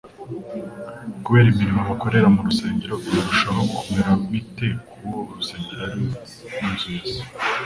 kubera imirimo bakorera mu rusengero byarushaho kumera bite k'uwo urusengero ari inzu ya Se.